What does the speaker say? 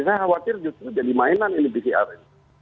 saya khawatir justru jadi mainan ini pcr ini